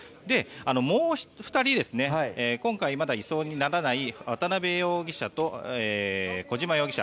もう２人、今回まだ移送にならない渡邉容疑者と小島容疑者。